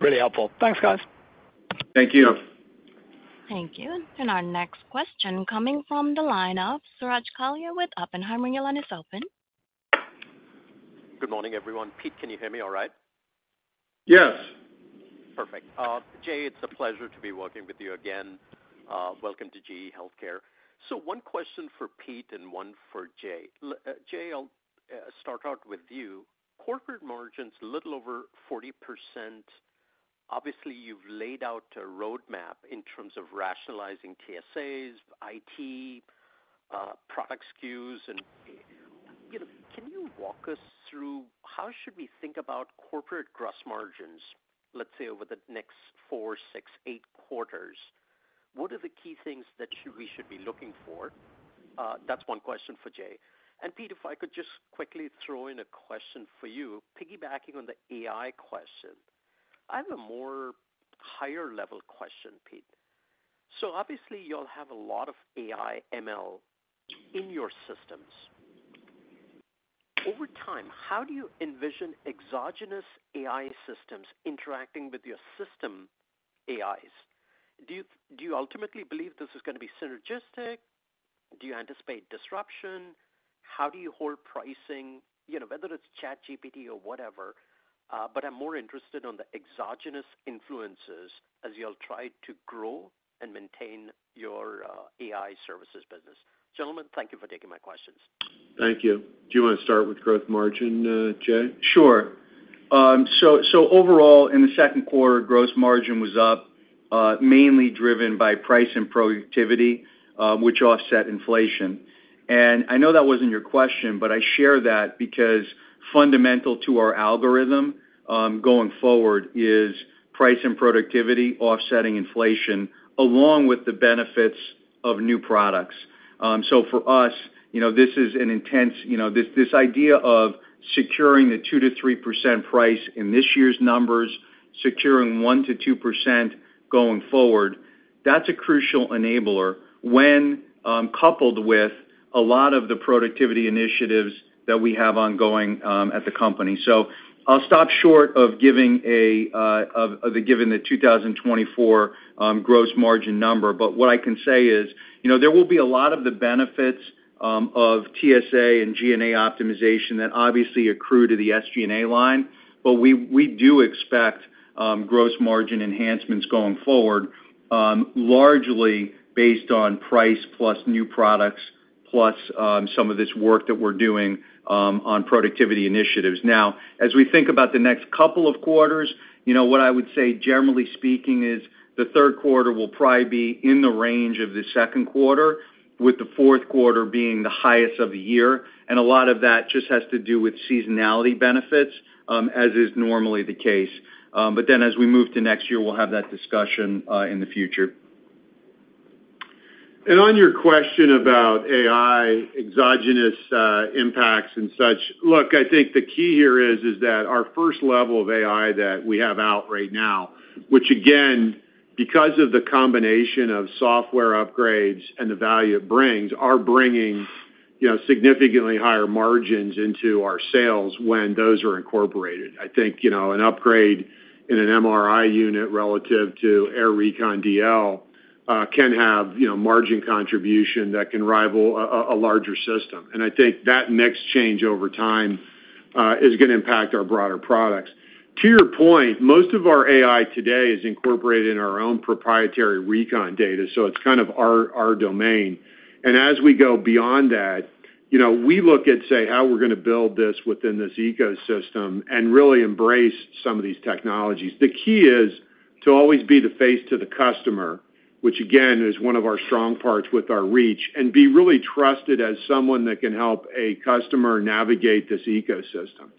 Really helpful. Thanks, guys. Thank you. Thank you. Thank you. Our next question coming from the line of Suraj Kalia with Oppenheimer. Your line is open. Good morning, everyone. Pete, can you hear me all right? Yes. Perfect. Jay, it's a pleasure to be working with you again. Welcome to GE HealthCare. One question for Pete and one for Jay. Jay, I'll start out with you. Corporate margins, little over 40%. Obviously, you've laid out a roadmap in terms of rationalizing TSAs, IT, product SKUs, and, you know, can you walk us through how should we think about corporate gross margins, let's say, over the next four, six, eight quarters? What are the key things that we should be looking for? That's one question for Jay. Pete, if I could just quickly throw in a question for you, piggybacking on the AI question. I have a higher-level question, Pete. Obviously, you all have a lot of AI and ML in your systems. Over time, how do you envision exogenous AI systems interacting with your system AIs? Do you ultimately believe this is going to be synergistic? Do you anticipate disruption? How do you hold pricing? You know, whether it's ChatGPT or whatever. I'm more interested on the exogenous influences as you all try to grow and maintain your AI services business. Gentlemen, thank you for taking my questions. Thank you. Do you want to start with gross margin, Jay? Sure. So overall, in the second quarter, gross margin was up, mainly driven by price and productivity, which offset inflation. I know that wasn't your question, but I share that because fundamental to our algorithm, going forward, is price and productivity offsetting inflation, along with the benefits of new products. For us, you know, this is an intense idea of securing the 2%-3% price in this year's numbers, securing 1%-2% going forward, that's a crucial enabler when coupled with a lot of the productivity initiatives that we have ongoing at the company. I'll stop short of giving a of giving the 2024 gross margin number. What I can say is, you know, there will be a lot of the benefits of TSA and G&A optimization that obviously accrue to the SG&A line. We do expect gross margin enhancements going forward, largely based on price, plus new products, plus some of this work that we're doing on productivity initiatives. As we think about the next couple of quarters, you know, what I would say, generally speaking, is the third quarter will probably be in the range of the second quarter, with the fourth quarter being the highest of the year, and a lot of that just has to do with seasonality benefits, as is normally the case. As we move to next year, we'll have that discussion in the future. On your question about AI, exogenous impacts, and such, look, I think the key here is that our first level of AI that we have out right now, which again, because of the combination of software upgrades and the value it brings, are bringing, you know, significantly higher margins into our sales when those are incorporated. I think, you know, an upgrade in an MRI unit relative to AIR Recon DL can have, you know, margin contribution that can rival a larger system. I think that mix change over time is going to impact our broader products. To your point, most of our AI today is incorporated in our own proprietary recon data, so it's kind of our domain. As we go beyond that, you know, we look at, say, how we're going to build this within this ecosystem and really embrace some of these technologies. The key is to always be the face to the customer, which, again, is one of our strong parts with our reach, and be really trusted as someone that can help a customer navigate this ecosystem.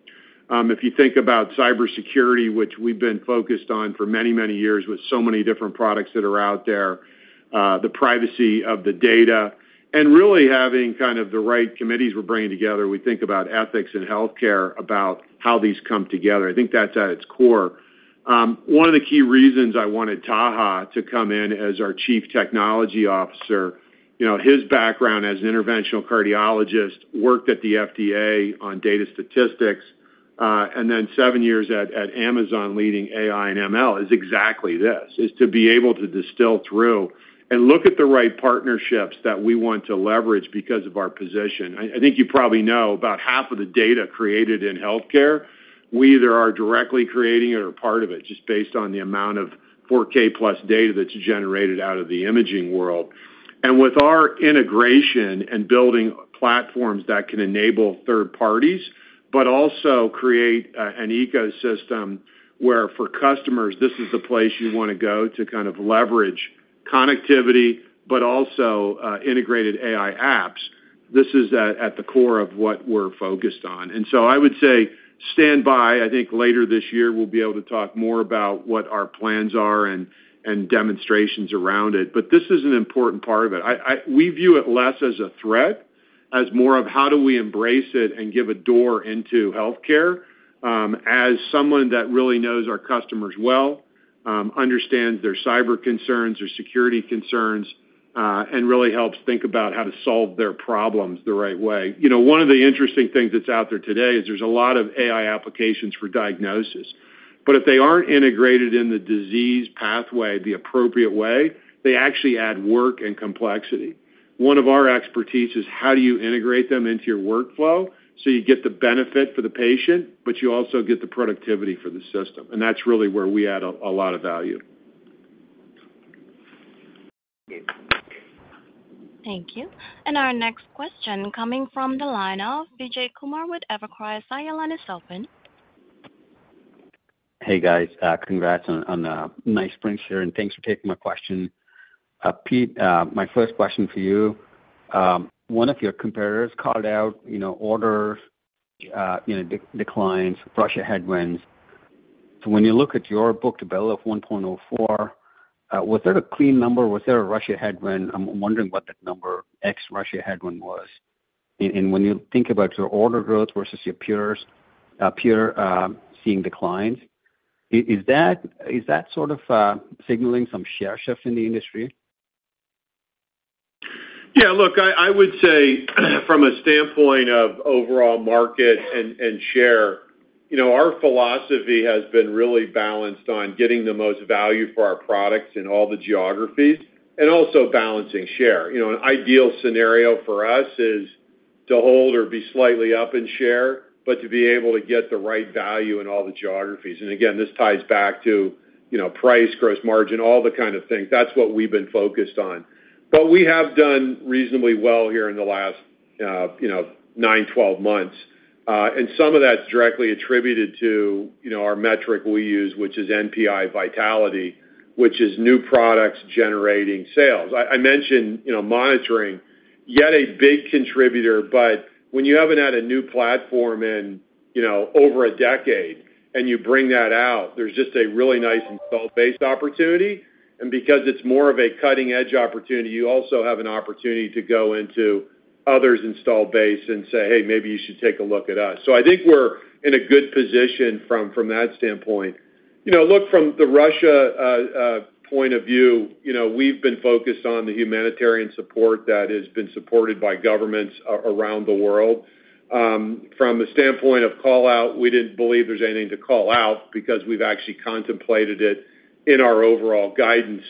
If you think about cybersecurity, which we've been focused on for many, many years, with so many different products that are out there, the privacy of the data, and really having kind of the right committees we're bringing together, we think about ethics and healthcare, about how these come together. I think that's at its core. One of the key reasons I wanted Taha to come in as our Chief Technology Officer, you know, his background as an interventional cardiologist, worked at the FDA on data statistics, and then seven years at Amazon, leading AI and ML, is exactly this, is to be able to distill through and look at the right partnerships that we want to leverage because of our position. I think you probably know about half of the data created in healthcare, we either are directly creating it or part of it, just based on the amount of 4K+ data that's generated out of the imaging world. With our integration and building platforms that can enable third parties, but also create an ecosystem where for customers, this is the place you want to go to kind of leverage connectivity, but also integrated AI apps. This is at the core of what we're focused on. I would say, stand by. I think later this year, we'll be able to talk more about what our plans are and demonstrations around it. This is an important part of it. We view it less as a threat, as more of how do we embrace it and give a door into healthcare, as someone that really knows our customers well, understands their cyber concerns, their security concerns, and really helps think about how to solve their problems the right way. You know, one of the interesting things that's out there today is there's a lot of AI applications for diagnosis, but if they aren't integrated in the disease pathway the appropriate way, they actually add work and complexity. One of our expertise is how do you integrate them into your workflow so you get the benefit for the patient, but you also get the productivity for the system. That's really where we add a lot of value. Thank you. Thank you. Our next question coming from the line of Vijay Kumar with Evercore ISI. Line is open. Hey, guys, con``grats on a nice sprint here, and thanks for taking my question. Pete, my first question for you. One of your competitors called out, you know, orders, you know, declines, Russia headwinds. When you look at your book-to-bill of 1.04, was that a clean number? Was there a Russia headwind? I'm wondering what that number, X, Russia headwind was. When you think about your order growth versus your peers, peer, seeing declines, is that sort of signaling some share shift in the industry? Yeah, look, I would say, from a standpoint of overall market and share, you know, our philosophy has been really balanced on getting the most value for our products in all the geographies and also balancing share. You know, an ideal scenario for us to hold or be slightly up in share, but to be able to get the right value in all the geographies. Again, this ties back to, you know, price, gross margin, all the kind of things. That's what we've been focused on. We have done reasonably well here in the last, you know, 9, 12 months. Some of that's directly attributed to, you know, our metric we use, which is NPI vitality, which is new products generating sales. I mentioned, you know, monitoring, yet a big contributor, but when you haven't had a new platform in, you know, over a decade, and you bring that out, there's just a really nice install base opportunity. Because it's more of a cutting-edge opportunity, you also have an opportunity to go into others' install base and say, "Hey, maybe you should take a look at us." I think we're in a good position from that standpoint. You know, look, from the Russia point of view, you know, we've been focused on the humanitarian support that has been supported by governments around the world. From the standpoint of call-out, we didn't believe there's anything to call out because we've actually contemplated it in our overall guidance.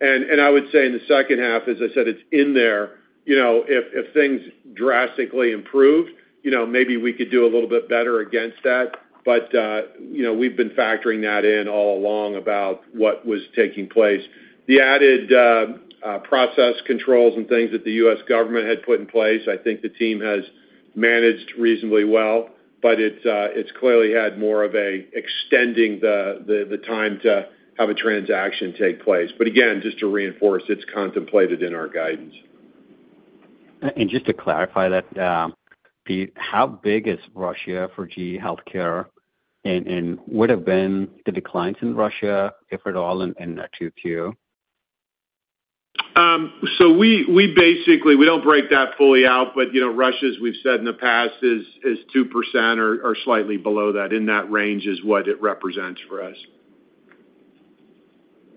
I would say in the second half, as I said, it's in there. You know, if things drastically improved, you know, maybe we could do a little bit better against that. You know, we've been factoring that in all along about what was taking place. The added process controls and things that the U.S. government had put in place, I think the team has managed reasonably well, but it's clearly had more of a extending the time to have a transaction take place. Again, just to reinforce, it's contemplated in our guidance. Just to clarify that, Pete, how big is Russia for GE HealthCare? Would have been the declines in Russia, if at all, in 2Q? We basically don't break that fully out, but, you know, Russia, as we've said in the past, is 2% or slightly below that. In that range is what it represents for us.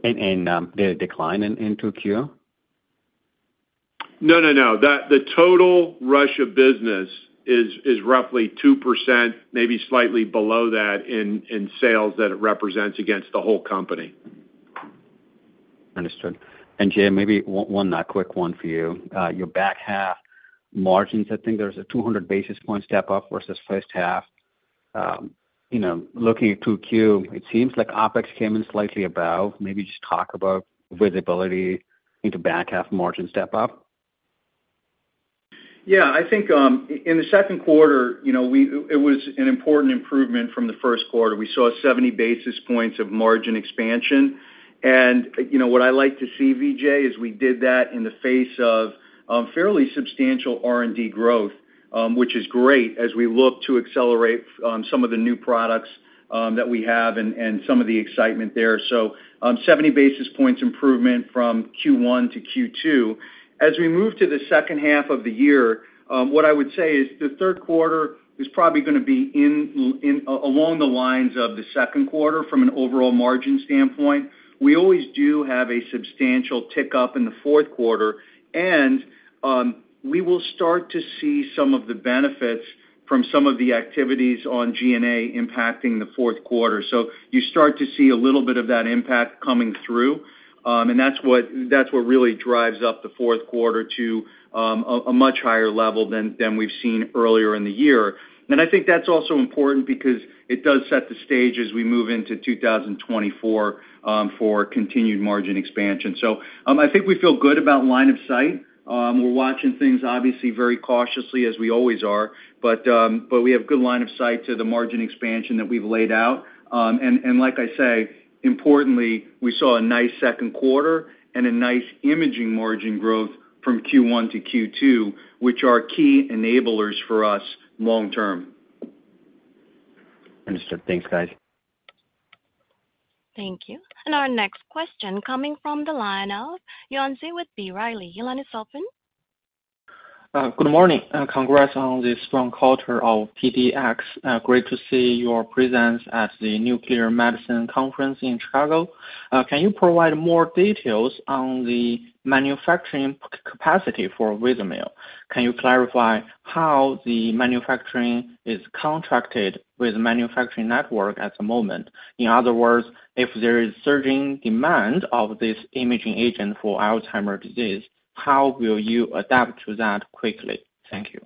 The decline in 2Q? No, no. The total Russia business is roughly 2%, maybe slightly below that, in sales that it represents against the whole company. Understood. Jay, maybe one, quick one for you. Your back half margins, I think there's a 200 basis point step up versus first half. You know, looking at 2Q, it seems like OpEx came in slightly above. Maybe just talk about visibility into back half margin step up. Yeah, I think, in the second quarter, you know, it was an important improvement from the first quarter. We saw 70 basis points of margin expansion. You know, what I like to see, Vijay, is we did that in the face of fairly substantial R&D growth, which is great as we look to accelerate some of the new products that we have and some of the excitement there. 70 basis points improvement from Q1 to Q2. As we move to the second half of the year, what I would say is, the third quarter is probably going to be along the lines of the second quarter from an overall margin standpoint. We always do have a substantial tick up in the fourth quarter, and we will start to see some of the benefits from some of the activities on G&A impacting the fourth quarter. You start to see a little bit of that impact coming through, and that's what really drives up the fourth quarter to a much higher level than we've seen earlier in the year. I think that's also important because it does set the stage as we move into 2024 for continued margin expansion. I think we feel good about line of sight. We're watching things, obviously, very cautiously, as we always are, but we have good line of sight to the margin expansion that we've laid out. Like I say, importantly, we saw a nice second quarter and a nice imaging margin growth from Q1 to Q2, which are key enablers for us long term. Understood. Thanks, guys. Thank you. Our next question coming from the line of Yuan Zhi with B. Riley, your line is open. Good morning, and congrats on the strong quarter of PDx. Great to see your presence at the SNMMI Annual Meeting in Chicago. Can you provide more details on the manufacturing capacity for Vizamyl? Can you clarify how the manufacturing is contracted with manufacturing network at the moment? In other words, if there is surging demand of this imaging agent for Alzheimer’s disease, how will you adapt to that quickly? Thank you.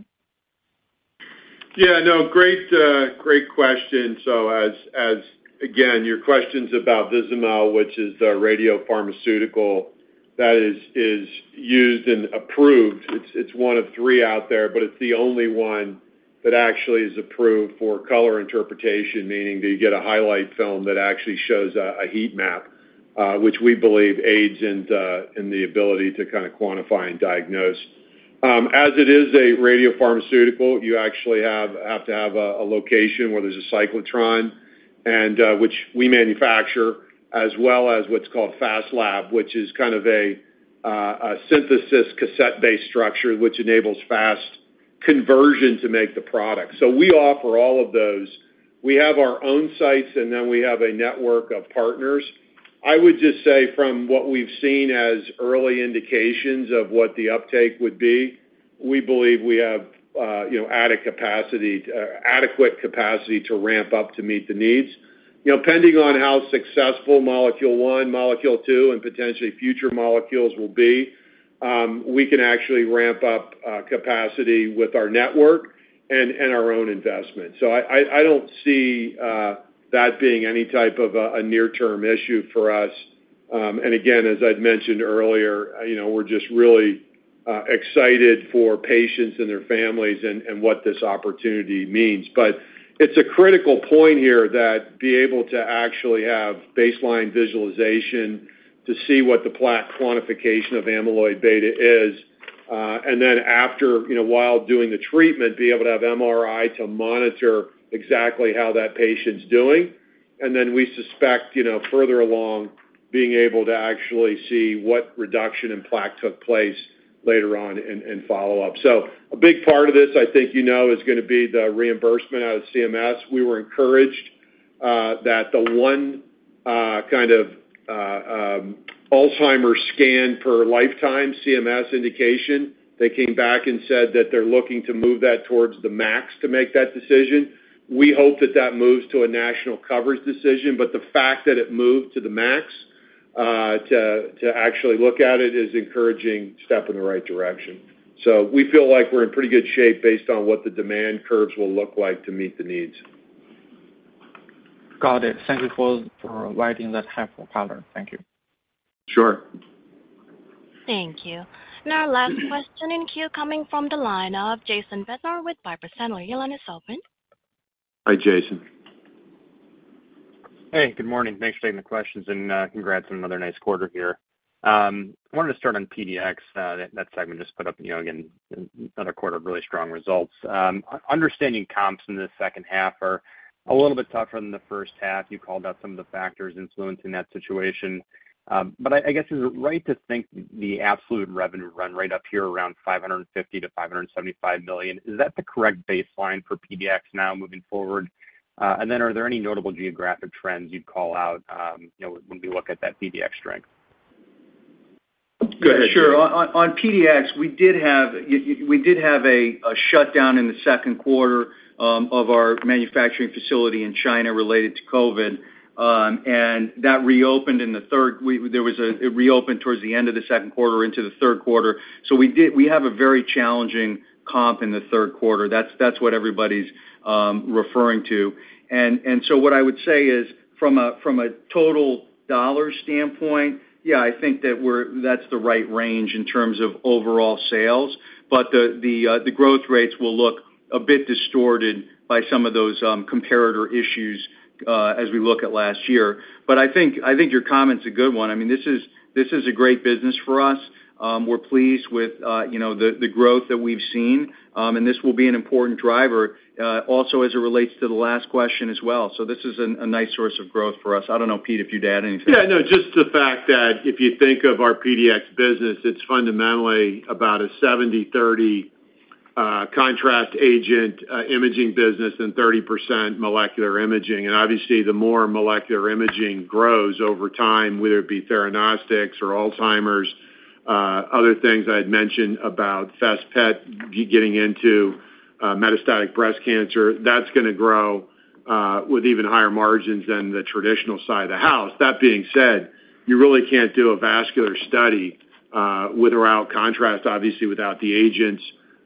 Yeah, no, great question. As again, your question's about Vizamyl, which is a radiopharmaceutical that is used and approved. It's one of three out there, but it's the only one that actually is approved for color interpretation, meaning that you get a heat map, which we believe aids in the ability to kind of quantify and diagnose. As it is a radiopharmaceutical, you actually have to have a location where there's a cyclotron, and which we manufacture, as well as what's called FASTlab, which is kind of a synthesis cassette-based structure, which enables fast conversion to make the product. We offer all of those. We have our own sites, and then we have a network of partners. I would just say from what we've seen as early indications of what the uptake would be, we believe we have, you know, adequate capacity to ramp up to meet the needs. You know, pending on how successful molecule 1, molecule 2, and potentially future molecules will be, we can actually ramp up capacity with our network and our own investment. I don't see that being any type of a near-term issue for us. Again, as I'd mentioned earlier, you know, we're just really excited for patients and their families and what this opportunity means. It's a critical point here that be able to actually have baseline visualization to see what the plaque quantification of amyloid beta is, and then after, you know, while doing the treatment, be able to have MRI to monitor exactly how that patient's doing. Then we suspect, you know, further along, being able to actually see what reduction in plaque took place later on in follow-up. A big part of this, I think you know, is gonna be the reimbursement out of CMS. We were encouraged that the one kind of Alzheimer’s scan per lifetime CMS indication, they came back and said that they're looking to move that towards the LCD to make that decision. We hope that that moves to a national coverage decision, but the fact that it moved to the LCD to actually look at it, is encouraging step in the right direction. We feel like we're in pretty good shape based on what the demand curves will look like to meet the needs. Got it. Thank you for providing that helpful color. Thank you. Sure. Thank you. Our last question in queue coming from the line of Jason Bednar with Piper Sandler. Your line is open. Hi, Jason. Hey, good morning. Thanks for taking the questions. Congrats on another nice quarter here. Wanted to start on PDx. That segment just put up, you know, again, another quarter of really strong results. Understanding comps in the second half are a little bit tougher than the first half. You called out some of the factors influencing that situation. I guess, is it right to think the absolute revenue run right up here around $550 million-$575 million? Is that the correct baseline for PDx now moving forward? Then are there any notable geographic trends you'd call out, you know, when we look at that PDx strength? Go ahead. Sure. On PDx, we did have a shutdown in the second quarter of our manufacturing facility in China related to COVID, and that reopened in the third. It reopened towards the end of the second quarter into the third quarter. We have a very challenging comp in the third quarter. That's what everybody's referring to. What I would say is, from a total dollar standpoint, yeah, I think that's the right range in terms of overall sales, but the growth rates will look a bit distorted by some of those comparator issues, as we look at last year. I think your comment's a good one. I mean, this is a great business for us. We're pleased with, you know, the growth that we've seen. This will be an important driver, also as it relates to the last question as well. This is a nice source of growth for us. I don't know, Pete, if you'd add anything. Yeah, no, just the fact that if you think of our PDx business, it's fundamentally about a 70/30, contrast agent, imaging business and 30% molecular imaging. Obviously, the more molecular imaging grows over time, whether it be theranostics or Alzheimer’s, other things I'd mentioned about fast PET, getting into metastatic breast cancer, that's gonna grow with even higher margins than the traditional side of the house. That being said, you really can't do a vascular study, with or without contrast, obviously, without the agents.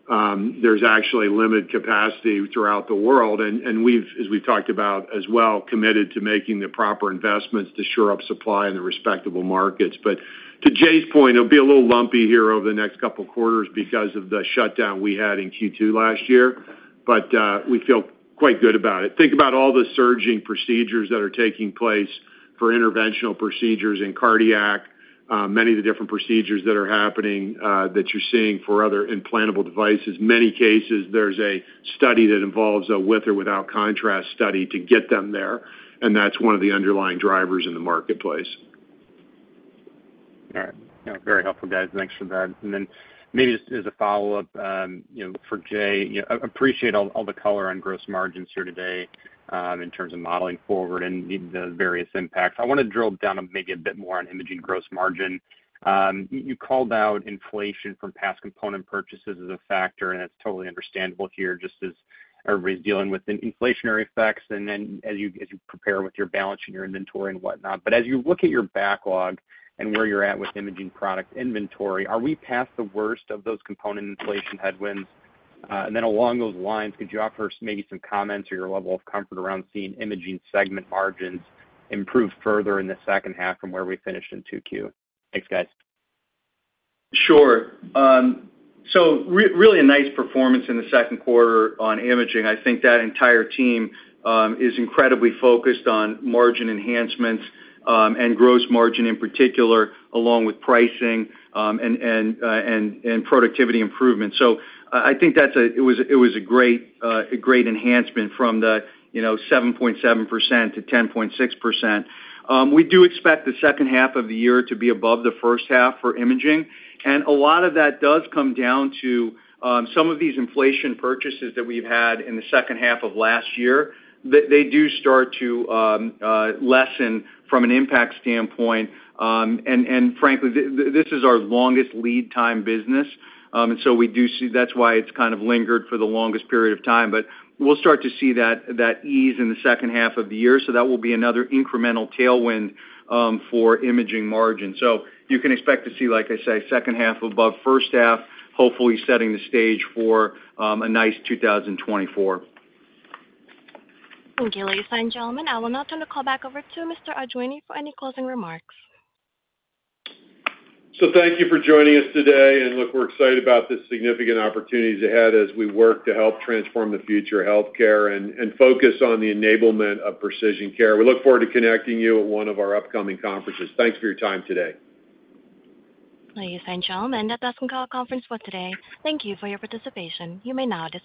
There's actually limited capacity throughout the world, and we've, as we've talked about as well, committed to making the proper investments to shore up supply in the respectable markets. To Jay's point, it'll be a little lumpy here over the next couple of quarters because of the shutdown we had in Q2 last year, but, we feel quite good about it. Think about all the surging procedures that are taking place for interventional procedures in cardiac, many of the different procedures that are happening, that you're seeing for other implantable devices. Many cases, there's a study that involves a with or without contrast study to get them there, and that's one of the underlying drivers in the marketplace. All right. Yeah, very helpful, guys. Thanks for that. Then maybe just as a follow-up, you know, for Jay, appreciate all the color on gross margins here today, in terms of modeling forward and the various impacts. I want to drill down maybe a bit more on imaging gross margin. You called out inflation from past component purchases as a factor, and it's totally understandable here, just as everybody's dealing with the inflationary effects, and then as you prepare with your balance and your inventory and whatnot. As you look at your backlog and where you're at with imaging product inventory, are we past the worst of those component inflation headwinds? Along those lines, could you offer us maybe some comments or your level of comfort around seeing imaging segment margins improve further in the second half from where we finished in 2Q? Thanks, guys. Sure. Really a nice performance in the second quarter on imaging. I think that entire team is incredibly focused on margin enhancements, and gross margin in particular, along with pricing and productivity improvements. I think that's a. It was a great enhancement from the, you know, 7.7% to 10.6%. We do expect the second half of the year to be above the first half for imaging, and a lot of that does come down to some of these inflation purchases that we've had in the second half of last year. They do start to lessen from an impact standpoint, and frankly, this is our longest lead-time business. We do see That's why it's kind of lingered for the longest period of time, but we'll start to see that ease in the second half of the year. That will be another incremental tailwind for imaging margin. You can expect to see, like I say, second half above first half, hopefully setting the stage for a nice 2024. Thank you, ladies and gentlemen. I will now turn the call back over to Mr. Arduini for any closing remarks. Thank you for joining us today, look, we're excited about the significant opportunities ahead as we work to help transform the future of healthcare and focus on the enablement of precision care. We look forward to connecting you at one of our upcoming conferences. Thanks for your time today. Ladies and gentlemen, that does end our conference call today. Thank you for your participation. You may now disconnect.